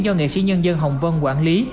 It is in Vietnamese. do nghệ sĩ nhân dân hồng vân quản lý